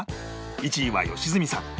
１位は良純さん